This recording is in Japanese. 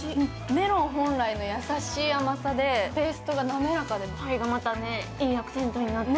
メロン本来の優しい甘さでテイストが滑らかでそれがまたいいアクセントになって。